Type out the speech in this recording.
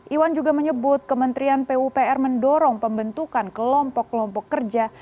iwan juga menyebut kementerian pupr mendorong pembentukan kelompok kelompok kerja